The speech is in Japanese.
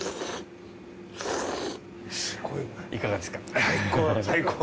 いかがですか？